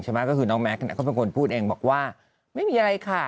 ใช่ป่ะก็คือน้องแม็กซ์เนี้ยก็เป็นคนพูดเองบอกว่าไม่มีอะไรค่ะ